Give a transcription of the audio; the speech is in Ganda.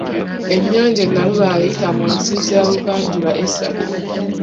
Ennyanja Nalubaale eyita mu nsi za bugwanjuba essatu.